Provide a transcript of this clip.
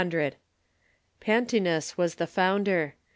Pantaenus was the founder.